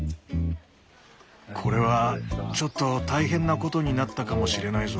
これはちょっと大変なことになったかもしれないぞ。